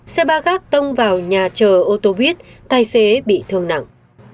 xe ba gác tông vào nhà chờ ô tô buýt tài xế bị thương nặng